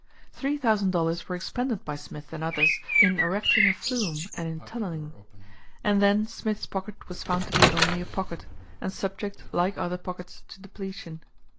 Three thousand dollars were expended by Smith and others in erecting a flume and in tunneling. And then Smith's Pocket was found to be only a pocket, and subject like other pockets to depletion.